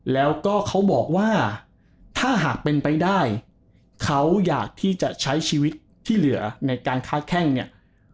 แล้วก็เขาบอกว่าถ้าหากเป็นไปได้เขาอยากที่จะใช้ชีวิตที่เหลือในการค้าแข้งเนี่ย